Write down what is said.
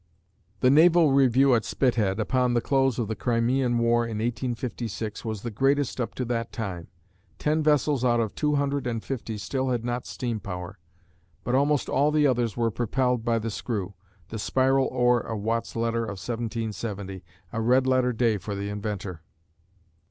The naval review at Spithead, upon the close of the Crimean war in 1856, was the greatest up to that time. Ten vessels out of two hundred and fifty still had not steam power, but almost all the others were propelled by the screw the spiral oar of Watt's letter of 1770 a red letter day for the inventor.